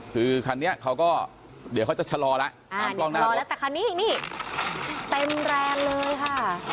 คือคันนี้เขาก็เดี๋ยวเขาจะชะลอแล้วอ่ากล้องหน้ารอแล้วแต่คันนี้นี่เต็มแรงเลยค่ะ